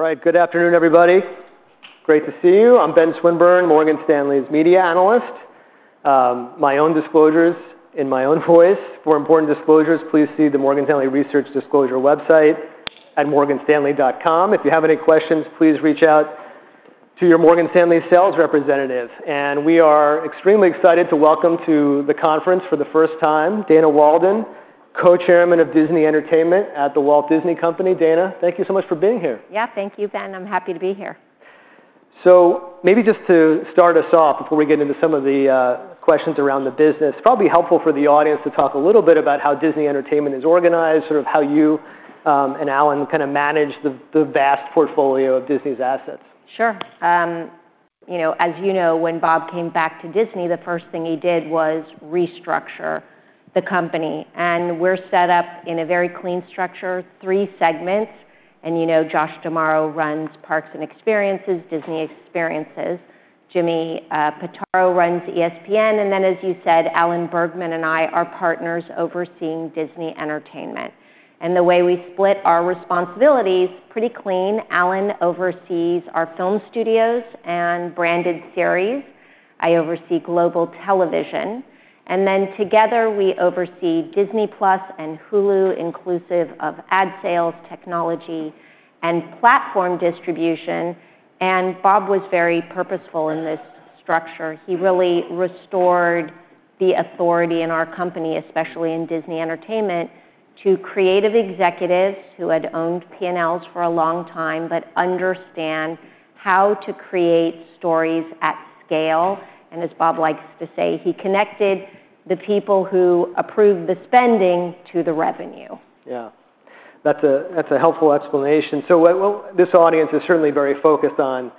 All right, Good afternoon, everybody. Great to see you. I'm Ben Swinburne, Morgan Stanley's media analyst. My own disclosures in my own voice. For important disclosures, please see the Morgan Stanley Research Disclosure website at morganstanley.com. If you have any questions, please reach out to your Morgan Stanley sales representative. And we are extremely excited to welcome to the conference for the first time Dana Walden, Co-Chairman of Disney Entertainment at The Walt Disney Company. Dana, thank you so much for being here. Yeah, thank you, Ben. I'm happy to be here. Maybe just to start us off, before we get into some of the questions around the business, it'd probably be helpful for the audience to talk a little bit about how Disney Entertainment is organized, sort of how you and Alan kind of manage the vast portfolio of Disney's assets. Sure. As you know, when Bob came back to Disney, the first thing he did was restructure the company. And we're set up in a very clean structure, three segments. And you know Josh D'Amaro runs parks and experiences, Disney Experiences. Jimmy Pitaro runs ESPN. And then, as you said, Alan Bergman and I are partners overseeing Disney Entertainment. And the way we split our responsibilities is pretty clean. Alan oversees our film studios and branded series. I oversee global television. And then together we oversee Disney+ and Hulu, inclusive of ad sales, technology, and platform distribution. And Bob was very purposeful in this structure. He really restored the authority in our company, especially in Disney Entertainment, to creative executives who had owned P&Ls for a long time but understand how to create stories at scale. As Bob likes to say, he connected the people who approved the spending to the revenue. Yeah, that's a helpful explanation. So this audience is certainly very focused on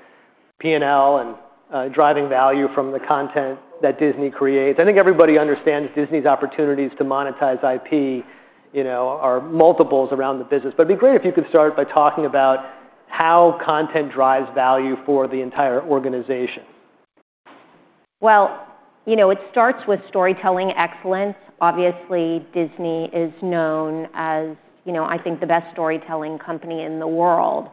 P&L and driving value from the content that Disney creates. I think everybody understands Disney's opportunities to monetize IP are multiples around the business. But it'd be great if you could start by talking about how content drives value for the entire organization. You know it starts with storytelling excellence. Obviously, Disney is known as, you know, I think, the best storytelling company in the world.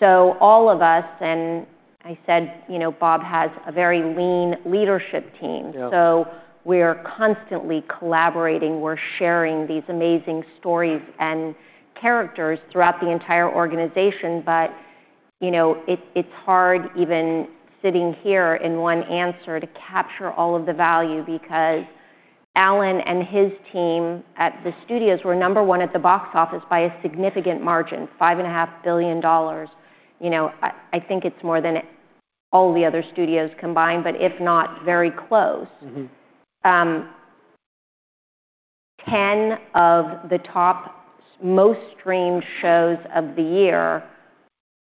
So all of us, and I said Bob has a very lean leadership team. So we're constantly collaborating. We're sharing these amazing stories and characters throughout the entire organization. But you know it's hard, even sitting here in one answer, to capture all of the value because Alan and his team at the studios were number one at the box office by a significant margin, $5.5 billion. You know I think it's more than all the other studios combined, but if not very close. 10 of the top most streamed shows of the year,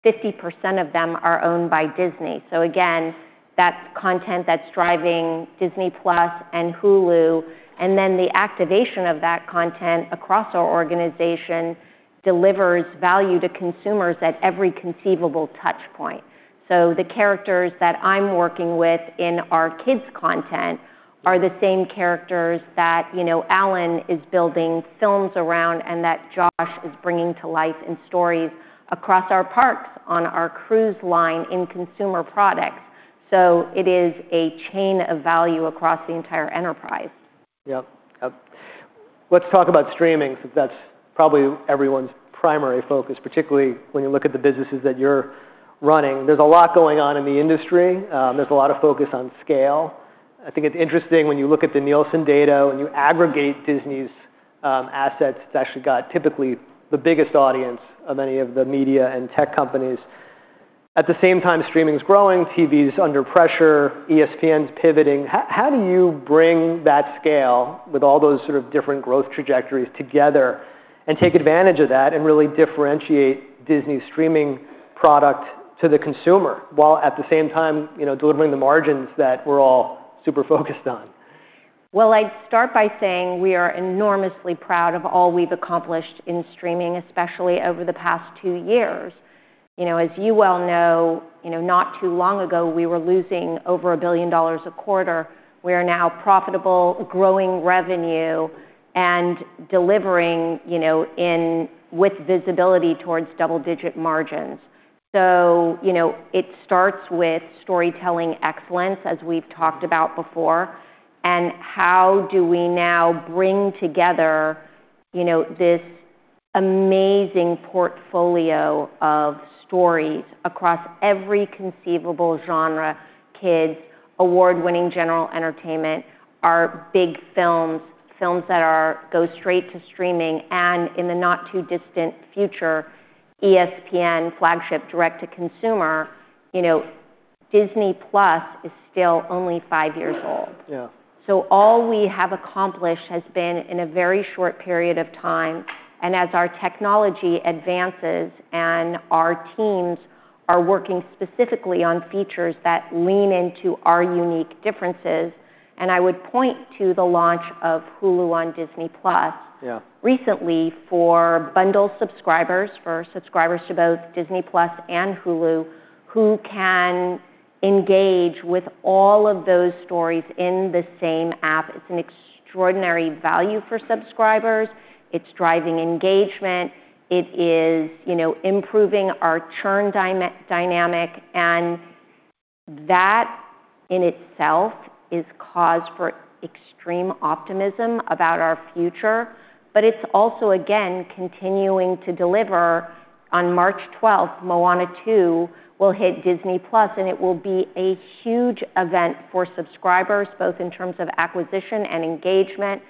50% of them are owned by Disney. So again, that content that's driving Disney+ and Hulu, and then the activation of that content across our organization delivers value to consumers at every conceivable touch point. So the characters that I'm working with in our kids' content are the same characters that Alan is building films around and that Josh is bringing to life in stories across our parks, on our cruise line, in consumer products. So it is a chain of value across the entire enterprise. Yep, yep. Let's talk about streaming, since that's probably everyone's primary focus, particularly when you look at the businesses that you're running. There's a lot going on in the industry. There's a lot of focus on scale. I think it's interesting when you look at the Nielsen data, when you aggregate Disney's assets, it's actually got typically the biggest audience of any of the media and tech companies. At the same time, streaming's growing, TV's under pressure, ESPN's pivoting. How do you bring that scale with all those sort of different growth trajectories together and take advantage of that and really differentiate Disney's streaming product to the consumer while at the same time delivering the margins that we're all super focused on? I'd start by saying we are enormously proud of all we've accomplished in streaming, especially over the past two years. You know, as you well know, not too long ago, we were losing over $1 billion a quarter. We are now profitable, growing revenue, and delivering with visibility towards double-digit margins. So it starts with storytelling excellence, as we've talked about before. And how do we now bring together this amazing portfolio of stories across every conceivable genre? Kids, award-winning general entertainment, our big films, films that go straight to streaming. And in the not too distant future, ESPN flagship direct-to-consumer. Disney+ is still only five years old. Yeah, so all we have accomplished has been in a very short period of time. As our technology advances and our teams are working specifically on features that lean into our unique differences, and I would point to the launch of Hulu on Disney+ recently for bundle subscribers, for subscribers to both Disney+ and Hulu, who can engage with all of those stories in the same app. It's an extraordinary value for subscribers. It's driving engagement. It is improving our churn dynamic. That in itself is cause for extreme optimism about our future. It's also, again, continuing to deliver. On March 12, Moana 2 will hit Disney+, and it will be a huge event for subscribers, both in terms of acquisition and engagement.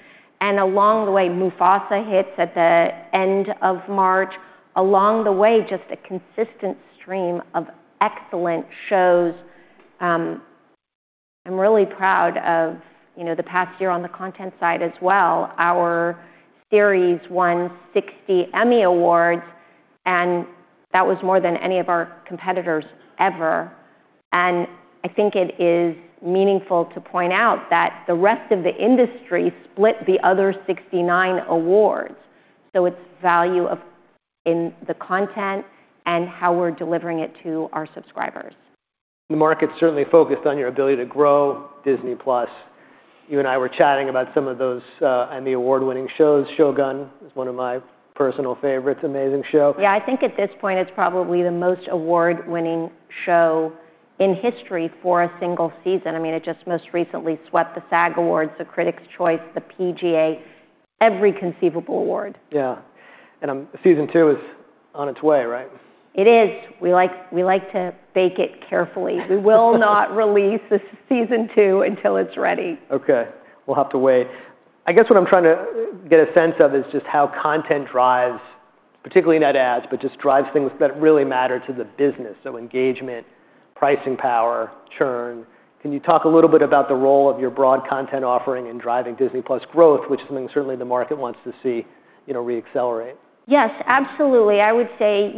Along the way, Mufasa hits at the end of March. Along the way, just a consistent stream of excellent shows. I'm really proud of the past year on the content side as well. Our series won 60 Emmy Awards, and that was more than any of our competitors ever. And I think it is meaningful to point out that the rest of the industry split the other 69 awards. So it's value in the content and how we're delivering it to our subscribers. The market's certainly focused on your ability to grow Disney+. You and I were chatting about some of those and the award-winning shows. Shōgun is one of my personal favorites, amazing show. Yeah, I think at this point, it's probably the most award-winning show in history for a single season. I mean, it just most recently swept the SAG Awards, the Critics' Choice, the PGA, every conceivable award. Yeah, and season two is on its way, right? It is. We like to bake it carefully. We will not release season two until it's ready. OK, we'll have to wait. I guess what I'm trying to get a sense of is just how content drives, particularly net adds, but just drives things that really matter to the business. So engagement, pricing power, churn. Can you talk a little bit about the role of your broad content offering in driving Disney+ growth, which is something certainly the market wants to see re-accelerate? Yes, absolutely. I would say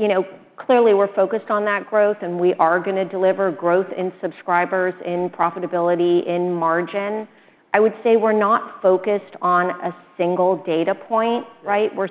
clearly we're focused on that growth, and we are going to deliver growth in subscribers, in profitability, in margin. I would say we're not focused on a single data point, right? We're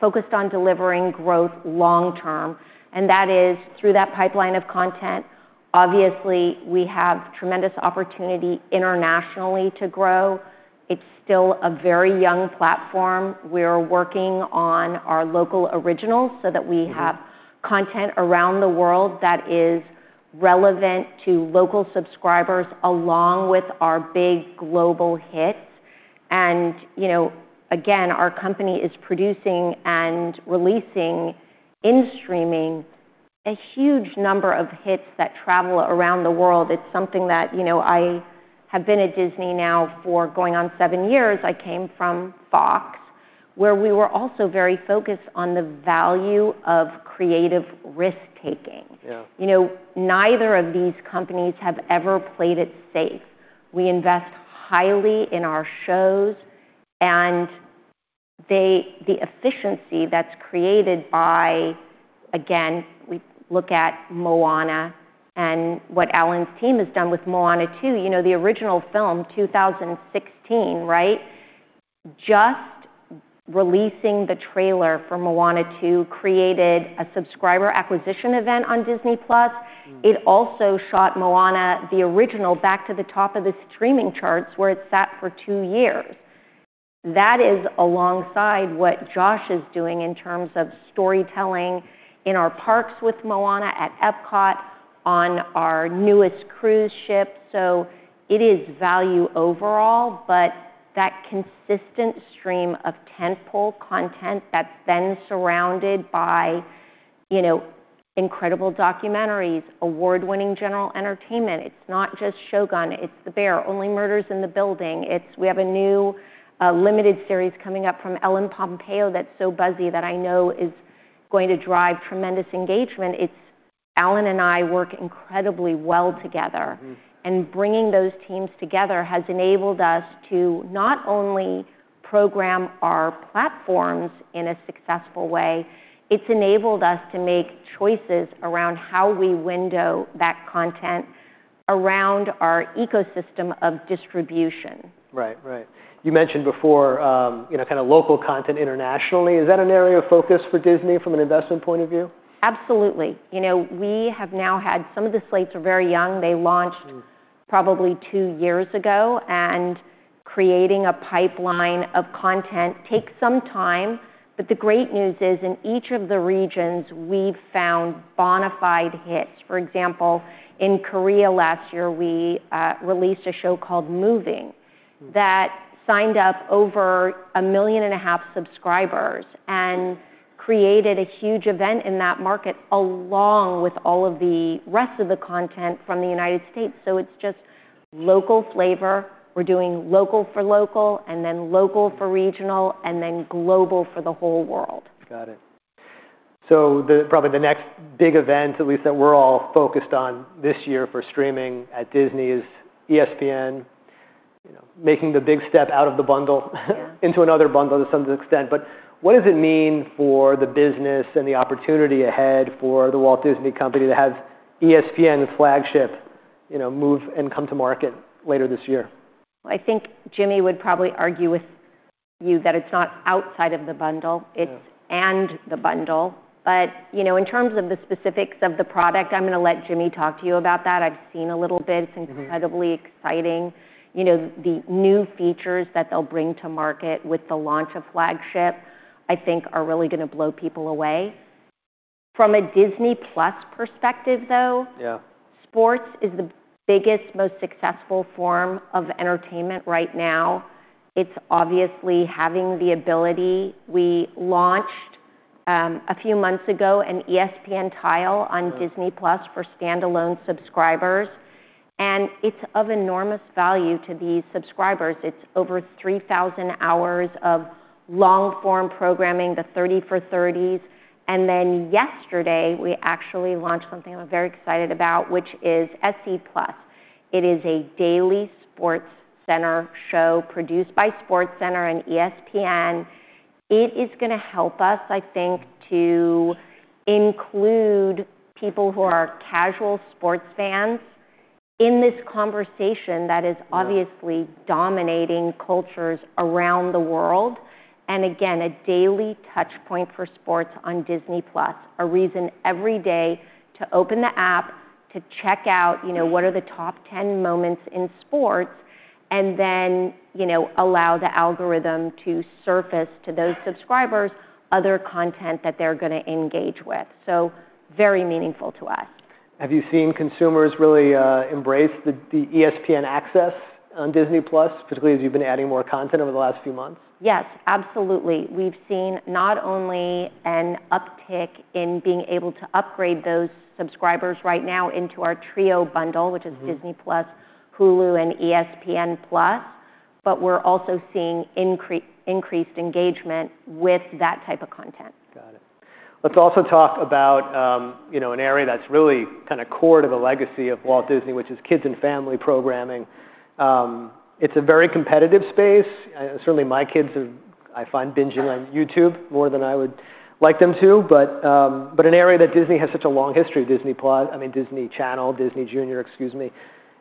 focused on delivering growth long term. And that is through that pipeline of content. Obviously, we have tremendous opportunity internationally to grow. It's still a very young platform. We're working on our local originals so that we have content around the world that is relevant to local subscribers along with our big global hits. And again, our company is producing and releasing in streaming a huge number of hits that travel around the world. It's something that I have been at Disney now for going on seven years. I came from Fox, where we were also very focused on the value of creative risk-taking. Neither of these companies have ever played it safe. We invest highly in our shows, and the efficiency that's created by, again, we look at Moana and what Alan's team has done with Moana 2, you know the original film, 2016, right? Just releasing the trailer for Moana 2 created a subscriber acquisition event on Disney+. It also shot Moana, the original, back to the top of the streaming charts where it sat for two years. That is alongside what Josh is doing in terms of storytelling in our parks with Moana at Epcot, on our newest cruise ship, so it is value overall, but that consistent stream of tentpole content that's then surrounded by incredible documentaries, award-winning general entertainment. It's not just Shōgun. It's The Bear, Only Murders in the Building. We have a new limited series coming up from Ellen Pompeo that's so buzzy that I know is going to drive tremendous engagement. Alan and I work incredibly well together, and bringing those teams together has enabled us to not only program our platforms in a successful way, it's enabled us to make choices around how we window that content around our ecosystem of distribution. Right, right. You mentioned before kind of local content internationally. Is that an area of focus for Disney from an investment point of view? Absolutely. We have now had some of the slates are very young. They launched probably two years ago, and creating a pipeline of content takes some time, but the great news is in each of the regions, we've found bona fide hits. For example, in Korea last year, we released a show called Moving that signed up over 1.5 million subscribers and created a huge event in that market along with all of the rest of the content from the United States, so it's just local flavor. We're doing local for local, and then local for regional, and then global for the whole world. Got it. So probably the next big event, at least that we're all focused on this year for streaming at Disney is ESPN making the big step out of the bundle into another bundle to some extent. But what does it mean for the business and the opportunity ahead for the Walt Disney Company to have ESPN's flagship move and come to market later this year? I think Jimmy would probably argue with you that it's not outside of the bundle. It's and the bundle. But in terms of the specifics of the product, I'm going to let Jimmy talk to you about that. I've seen a little bit. It's incredibly exciting. The new features that they'll bring to market with the launch of Flagship, I think, are really going to blow people away. From a Disney+ perspective, though, sports is the biggest, most successful form of entertainment right now. It's obviously having the ability. We launched a few months ago an ESPN tile on Disney+ for standalone subscribers. And it's of enormous value to these subscribers. It's over 3,000 hours of long-form programming, the 30 for 30s. And then yesterday, we actually launched something I'm very excited about, which is SC+. It is a daily SportsCenter show produced by SportsCenter and ESPN. It is going to help us, I think, to include people who are casual sports fans in this conversation that is obviously dominating cultures around the world, and again, a daily touch point for sports on Disney+, a reason every day to open the app, to check out what are the top 10 moments in sports, and then allow the algorithm to surface to those subscribers other content that they're going to engage with, so very meaningful to us. Have you seen consumers really embrace the ESPN access on Disney+, particularly as you've been adding more content over the last few months? Yes, absolutely. We've seen not only an uptick in being able to upgrade those subscribers right now into our Trio Bundle, which is Disney+, Hulu, and ESPN+, but we're also seeing increased engagement with that type of content. Got it. Let's also talk about an area that's really kind of core to the legacy of Walt Disney, which is kids and family programming. It's a very competitive space. Certainly, my kids are, I find, binging on YouTube more than I would like them to. But an area that Disney has such a long history, Disney+, I mean, Disney Channel, Disney Junior, excuse me.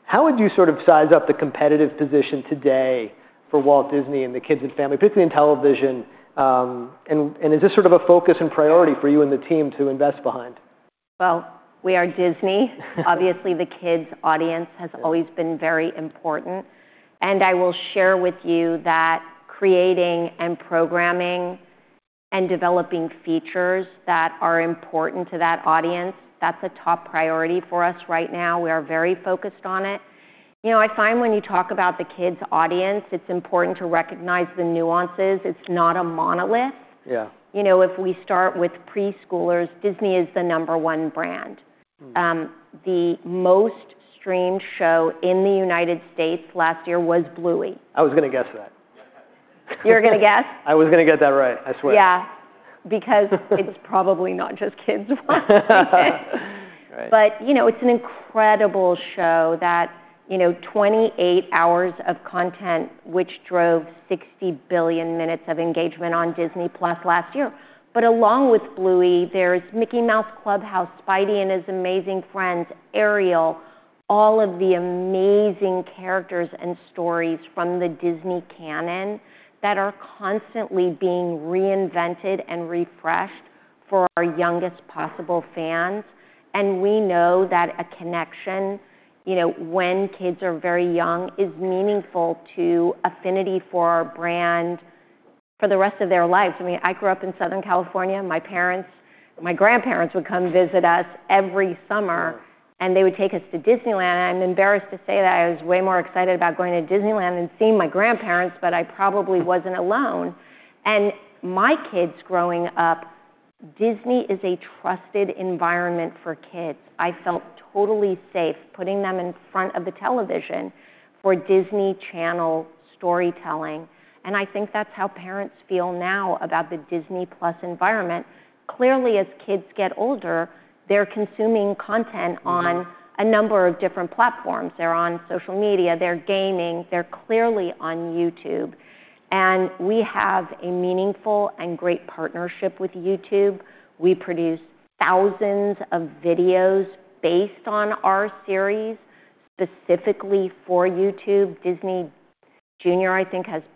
How would you sort of size up the competitive position today for Walt Disney and the kids and family, particularly in television? And is this sort of a focus and priority for you and the team to invest behind? We are Disney. Obviously, the kids' audience has always been very important. I will share with you that creating and programming and developing features that are important to that audience, that's a top priority for us right now. We are very focused on it. I find when you talk about the kids' audience, it's important to recognize the nuances. It's not a monolith. If we start with preschoolers, Disney is the number one brand. The most streamed show in the United States last year was Bluey. I was going to guess that. You're going to guess? I was going to get that right. I swear. Yeah, because it's probably not just kids' watch, but it's an incredible show that 28 hours of content, which drove 60 billion minutes of engagement on Disney+ last year, but along with Bluey, there's Mickey Mouse Clubhouse, Spidey and His Amazing Friends, Ariel, all of the amazing characters and stories from the Disney canon that are constantly being reinvented and refreshed for our youngest possible fans, and we know that a connection when kids are very young is meaningful to affinity for our brand for the rest of their lives. I mean, I grew up in Southern California. My grandparents would come visit us every summer, and they would take us to Disneyland. I'm embarrassed to say that I was way more excited about going to Disneyland than seeing my grandparents, but I probably wasn't alone, and my kids growing up, Disney is a trusted environment for kids. I felt totally safe putting them in front of the television for Disney Channel storytelling. And I think that's how parents feel now about the Disney+ environment. Clearly, as kids get older, they're consuming content on a number of different platforms. They're on social media. They're gaming. They're clearly on YouTube. And we have a meaningful and great partnership with YouTube. We produce thousands of videos based on our series specifically for YouTube. Disney Junior, I think, has 22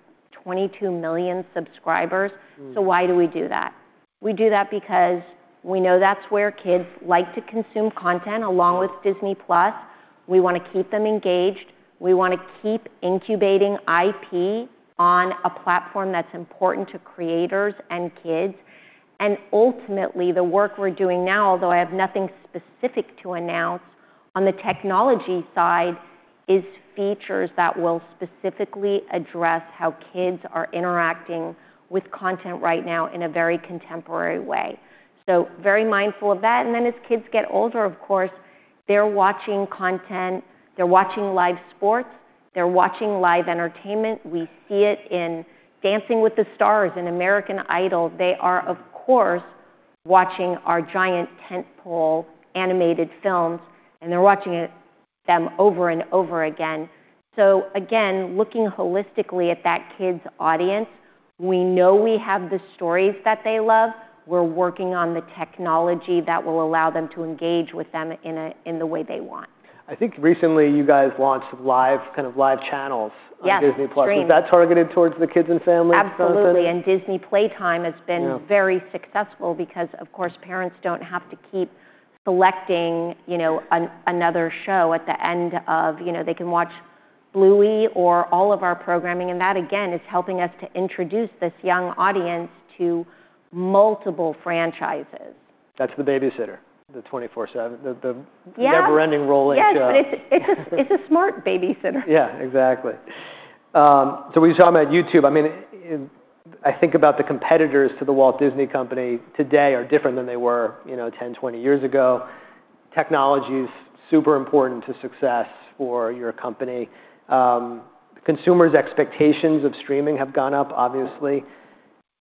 million subscribers. So why do we do that? We do that because we know that's where kids like to consume content along with Disney+. We want to keep them engaged. We want to keep incubating IP on a platform that's important to creators and kids. Ultimately, the work we're doing now, although I have nothing specific to announce on the technology side, is features that will specifically address how kids are interacting with content right now in a very contemporary way. Very mindful of that. Then as kids get older, of course, they're watching content. They're watching live sports. They're watching live entertainment. We see it in Dancing with the Stars and American Idol. They are, of course, watching our giant tentpole animated films, and they're watching them over and over again. Again, looking holistically at that kids' audience, we know we have the stories that they love. We're working on the technology that will allow them to engage with them in the way they want. I think recently you guys launched kind of live channels on Disney+. Is that targeted towards the kids and family? Absolutely. And Disney Playtime has been very successful because, of course, parents don't have to keep selecting another show at the end, they can watch Bluey or all of our programming. And that, again, is helping us to introduce this young audience to multiple franchises. That's the babysitter, the 24/7, the never-ending rolling show. Yes, but it's a smart babysitter. Yeah, exactly. So we were talking about YouTube. I mean, I think about the competitors to The Walt Disney Company today are different than they were 10, 20 years ago. Technology is super important to success for your company. Consumers' expectations of streaming have gone up, obviously.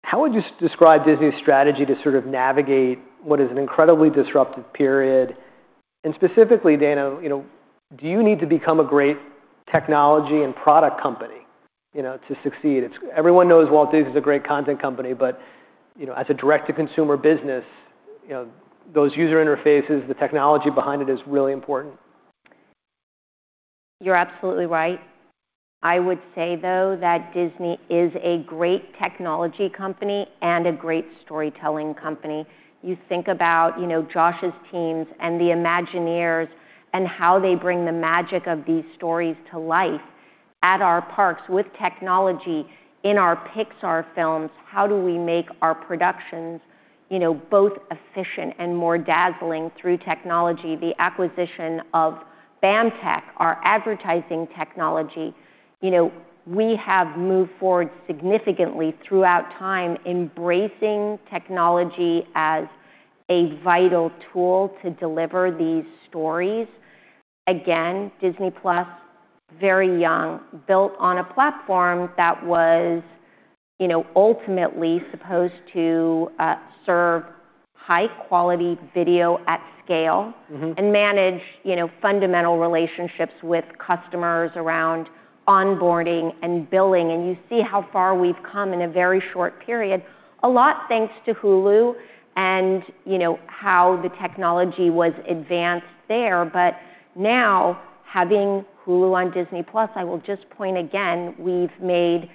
How would you describe Disney's strategy to sort of navigate what is an incredibly disruptive period? And specifically, Dana, do you need to become a great technology and product company to succeed? Everyone knows Walt Disney is a great content company. But as a direct-to-consumer business, those user interfaces, the technology behind it is really important. You're absolutely right. I would say, though, that Disney is a great technology company and a great storytelling company. You think about Josh's teams and the Imagineers and how they bring the magic of these stories to life. At our parks, with technology in our Pixar films, how do we make our productions both efficient and more dazzling through technology? The acquisition of BAMTech, our advertising technology. We have moved forward significantly throughout time embracing technology as a vital tool to deliver these stories. Again, Disney+, very young, built on a platform that was ultimately supposed to serve high-quality video at scale and manage fundamental relationships with customers around onboarding and billing, and you see how far we've come in a very short period, a lot thanks to Hulu and how the technology was advanced there. But now, having Hulu on Disney+, I will just point again, we've made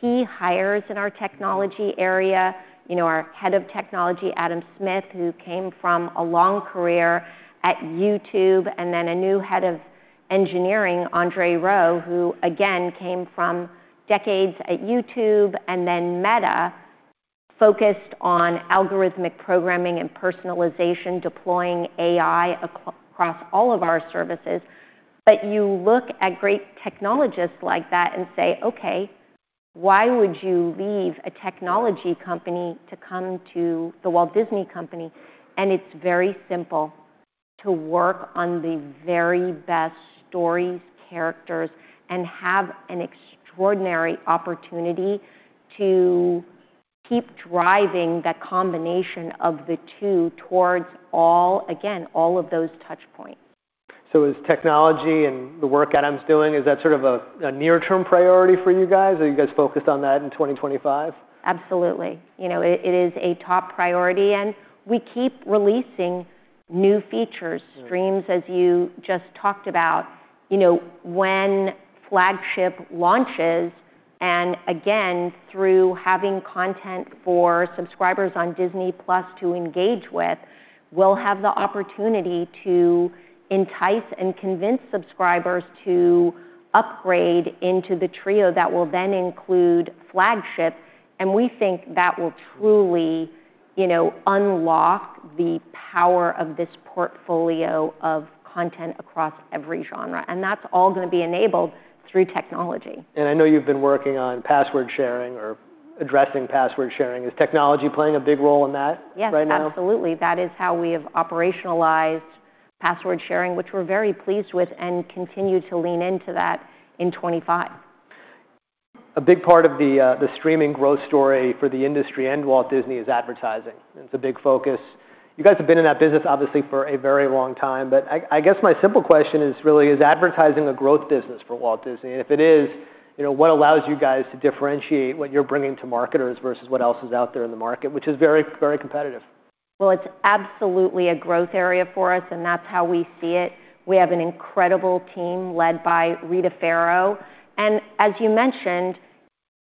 key hires in our technology area, our head of technology, Adam Smith, who came from a long career at YouTube, and then a new head of engineering, Andre Rowe, who, again, came from decades at YouTube and then Meta, focused on algorithmic programming and personalization, deploying AI across all of our services. But you look at great technologists like that and say, "OK, why would you leave a technology company to come to the Walt Disney Company?" And it's very simple to work on the very best stories, characters, and have an extraordinary opportunity to keep driving that combination of the two towards all, again, all of those touch points. So is technology and the work Adam's doing, is that sort of a near-term priority for you guys? Are you guys focused on that in 2025? Absolutely. It is a top priority. And we keep releasing new features, streams, as you just talked about. When Flagship launches, and again, through having content for subscribers on Disney+ to engage with, we'll have the opportunity to entice and convince subscribers to upgrade into the Trio that will then include Flagship. And we think that will truly unlock the power of this portfolio of content across every genre. And that's all going to be enabled through technology. I know you've been working on password sharing or addressing password sharing. Is technology playing a big role in that right now? Yes, absolutely. That is how we have operationalized password sharing, which we're very pleased with and continue to lean into that in 2025. A big part of the streaming growth story for the industry and Walt Disney is advertising. It's a big focus. You guys have been in that business, obviously, for a very long time. But I guess my simple question is really, is advertising a growth business for Walt Disney? And if it is, what allows you guys to differentiate what you're bringing to marketers versus what else is out there in the market, which is very, very competitive? It's absolutely a growth area for us, and that's how we see it. We have an incredible team led by Rita Ferro. As you mentioned,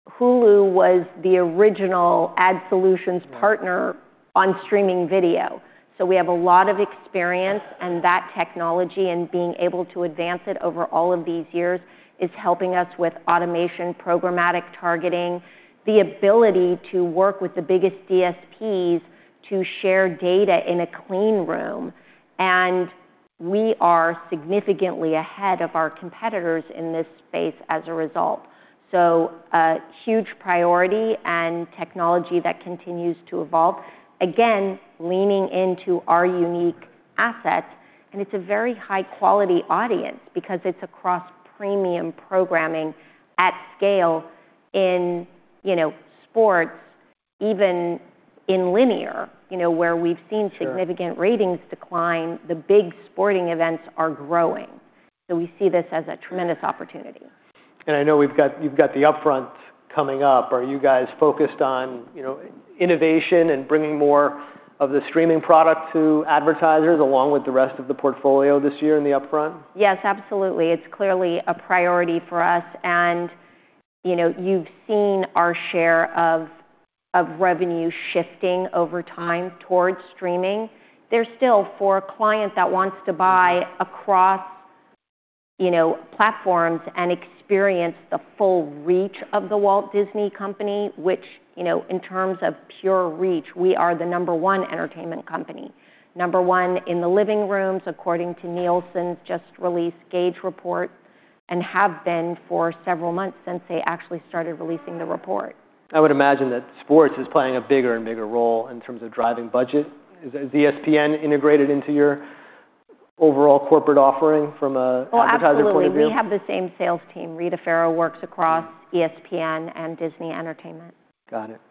Hulu was the original ad solutions partner on streaming video. We have a lot of experience. That technology and being able to advance it over all of these years is helping us with automation, programmatic targeting, the ability to work with the biggest DSPs to share data in a clean room. We are significantly ahead of our competitors in this space as a result. A huge priority and technology that continues to evolve, again, leaning into our unique assets. It's a very high-quality audience because it's across premium programming at scale in sports, even in linear, where we've seen significant ratings decline. The big sporting events are growing. We see this as a tremendous opportunity. I know you've got the upfront coming up. Are you guys focused on innovation and bringing more of the streaming product to advertisers along with the rest of the portfolio this year in the upfront? Yes, absolutely. It's clearly a priority for us. And you've seen our share of revenue shifting over time towards streaming. There's still, for a client that wants to buy across platforms and experience the full reach of The Walt Disney Company, which in terms of pure reach, we are the number one entertainment company, number one in the living rooms, according to Nielsen's just-released Gauge report, and have been for several months since they actually started releasing the report. I would imagine that sports is playing a bigger and bigger role in terms of driving budget. Is ESPN integrated into your overall corporate offering from an advertising point of view? Absolutely. We have the same sales team. Rita Ferro works across ESPN and Disney Entertainment. Got it.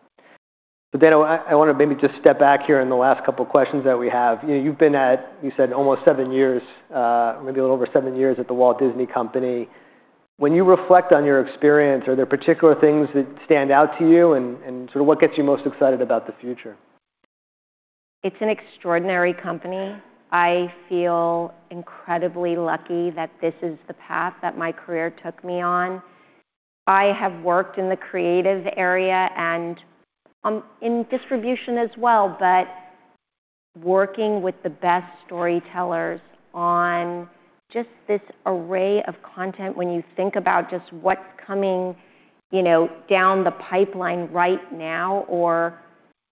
But, Dana, I want to maybe just step back here in the last couple of questions that we have. You've been at, you said, almost seven years, maybe a little over seven years at the Walt Disney Company. When you reflect on your experience, are there particular things that stand out to you? And sort of what gets you most excited about the future? It's an extraordinary company. I feel incredibly lucky that this is the path that my career took me on. I have worked in the creative area and in distribution as well, but working with the best storytellers on just this array of content when you think about just what's coming down the pipeline right now, or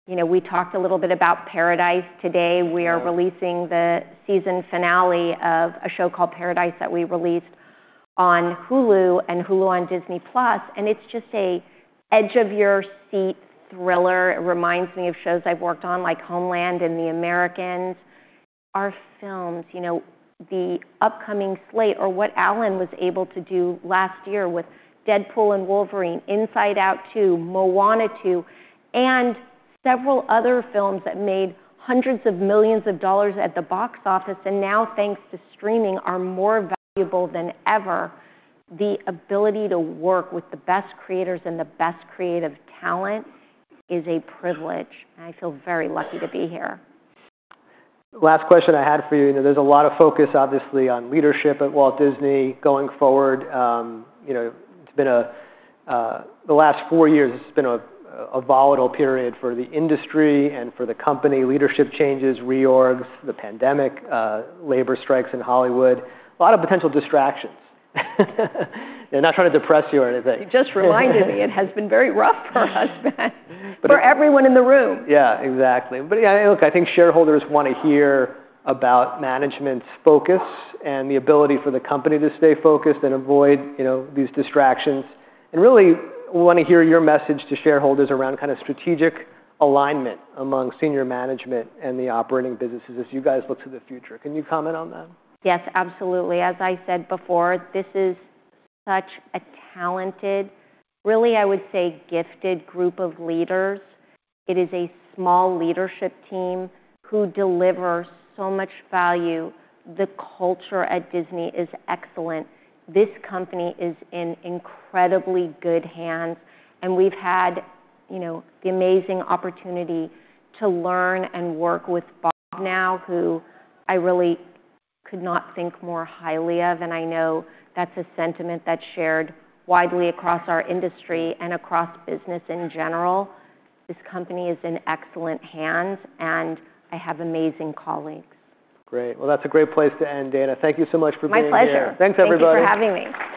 we talked a little bit about Paradise today. We are releasing the season finale of a show called Paradise that we released on Hulu and Hulu on Disney+. And it's just an edge-of-your-seat thriller. It reminds me of shows I've worked on, like Homeland and The Americans. Our films, the upcoming slate or what Alan was able to do last year with Deadpool & Wolverine, Inside Out 2, Moana 2, and several other films that made hundreds of millions of dollars at the box office and now, thanks to streaming, are more valuable than ever. The ability to work with the best creators and the best creative talent is a privilege. I feel very lucky to be here. Last question I had for you. There's a lot of focus, obviously, on leadership at Walt Disney going forward. The last four years, it's been a volatile period for the industry and for the company. Leadership changes, reorgs, the pandemic, labor strikes in Hollywood, a lot of potential distractions. I'm not trying to depress you or anything. You just reminded me. It has been very rough for us, Ben, for everyone in the room. Yeah, exactly. But yeah, look, I think shareholders want to hear about management's focus and the ability for the company to stay focused and avoid these distractions. And really, we want to hear your message to shareholders around kind of strategic alignment among senior management and the operating businesses as you guys look to the future. Can you comment on that? Yes, absolutely. As I said before, this is such a talented, really, I would say, gifted group of leaders. It is a small leadership team who deliver so much value. The culture at Disney is excellent. This company is in incredibly good hands. And we've had the amazing opportunity to learn and work with Bob now, who I really could not think more highly of. And I know that's a sentiment that's shared widely across our industry and across business in general. This company is in excellent hands, and I have amazing colleagues. Great. Well, that's a great place to end, Dana. Thank you so much for being here. My pleasure. Thanks, everybody. Thanks for having me.